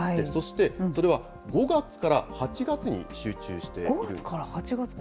そして、それは５月から８月に集５月から８月？